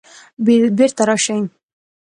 بیرته راشئ